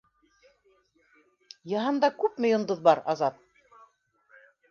Йыһанда күпме йондоҙ бар, Азат?